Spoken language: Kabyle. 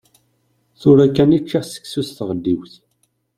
Tura kan i ččiɣ seksu s tɣeddiwt.